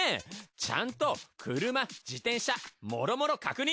ちゃんとクルマ自転車もろもろ確認！